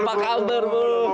pak albert belum